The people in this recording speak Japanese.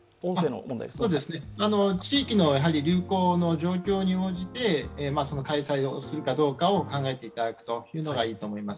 地域の流行の状況に応じて開催をするかどうかを考えていただくのがいいと思います。